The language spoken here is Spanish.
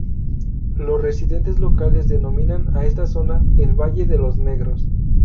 Los residentes locales denominan a esta zona el "Valle de los Negros".